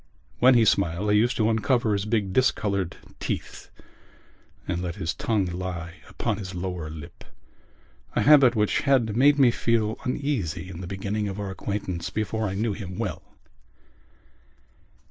When he smiled he used to uncover his big discoloured teeth and let his tongue lie upon his lower lip—a habit which had made me feel uneasy in the beginning of our acquaintance before I knew him well.